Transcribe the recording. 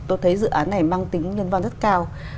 tôi thấy dự án này mang tính nhân văn rất cao